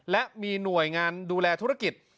และมีหน่วยงานดูแลธุรกิจ